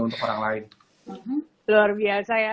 untuk orang lain luar biasa ya